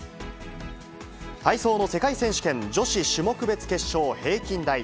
体操の世界選手権女子種目別決勝平均台。